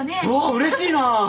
うれしいな。